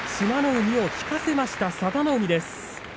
海を引かせました佐田の海です。